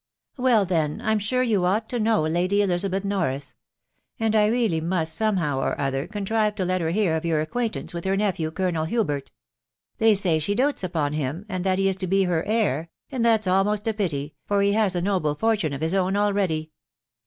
... ie Well, then, I'm sure you ought to know Lady Elizabeth Norris ; fmd I really must, somehow or other, contrive to let her hear of your acquaintance with her nephew, Colonel Hubert They say she dotes upon him, and that he is to be her heir •••• and that's almost a pity, for he has a noble fortune of his own already.